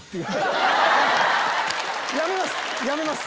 やめます！